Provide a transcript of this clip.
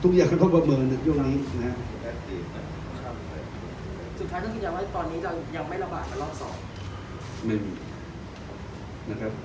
ทุกอย่างต้องประเมินในช่วงนี้นะครับสุดท้ายที่คุณยังว่าตอนนี้จะยังไม่ระบาดกันรอบสอง